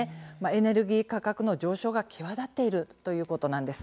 エネルギー価格の上昇が際立っているということなんです。